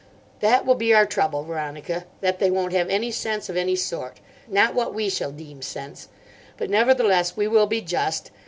"That will be our trouble, Veronica; that they won't have any sense of any sort—not what we shall deem sense. But, nevertheless, we will be just.